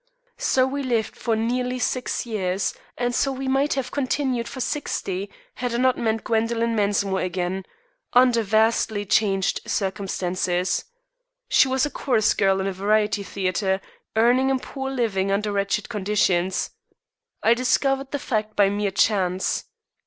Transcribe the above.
So we lived for nearly six years, and so we might have continued for sixty had I not met Gwendoline Mensmore again, under vastly changed circumstances. She was a chorus girl in a variety theatre, earning a poor living under wretched conditions. I discovered the fact by mere chance.